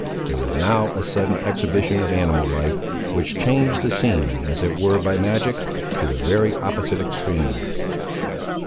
There was now a sudden exhibition of animal life, which changed the scene, as it were, by magic, to the very opposite extreme.